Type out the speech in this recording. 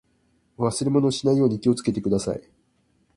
忘れ物をしないように気をつけてください。